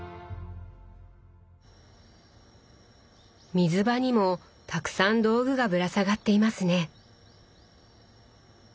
水場にもたくさん道具がぶら下がっていますね。